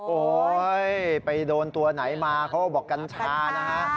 โอ๊ยไปโดนตัวไหนมาเขาก็บอกกัญชานะฮะ